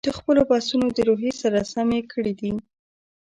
د خپلو بحثونو د روحیې سره سم یې کړي دي.